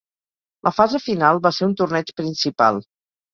La fase final va ser un torneig principal.